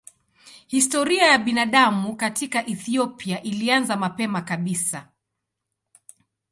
Historia ya binadamu katika Ethiopia ilianza mapema kabisa.